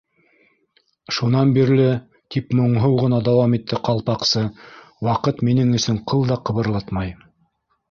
—Шунан бирле, —тип моңһоу ғына дауам итте Ҡалпаҡсы, —ваҡыт минең өсөн ҡыл да ҡыбырлатмай!